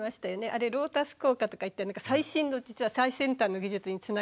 あれロータス効果とかいって最新の実は最先端の技術につながってる。